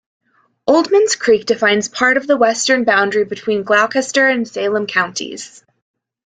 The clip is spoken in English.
Oldmans Creek defines part of the western boundary between Gloucester and Salem counties.